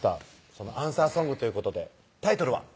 そのアンサーソングということでタイトルは？